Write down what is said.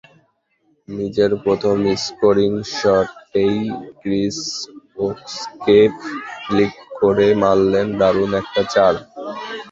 নিজের প্রথম স্কোরিং শটেই ক্রিস ওকসকে ফ্লিক করে মারলেন দারুণ একটা চার।